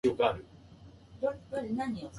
未使用のもの